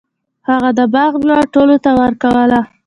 هغه د باغ میوه ټولو ته ورکوله.